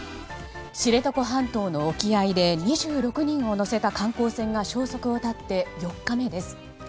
知床半島の沖合で２６人を乗せた観光船が消息を絶って４日目です。